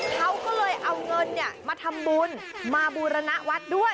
เขาก็เลยเอาเงินมาทำบุญมาบูรณวัดด้วย